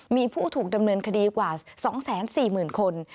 มีผู้ถูกดำเนินคดีกว่า๒๔๐๐๐คน